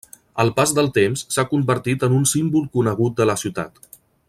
Al pas del temps s'ha convertit en un símbol conegut de la ciutat.